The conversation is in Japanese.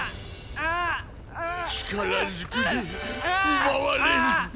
ああ力ずくで奪われん！